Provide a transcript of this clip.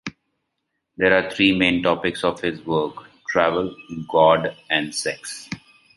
There are three main topics of his work: travel, God and sex.